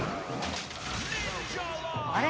あれ？